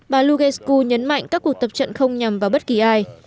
bà lugesko nhấn mạnh các cuộc tập trận không nhằm vào bất kỳ ai